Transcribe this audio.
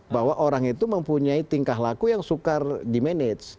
bahwa orang itu mempunyai tingkah laku yang sukar di manage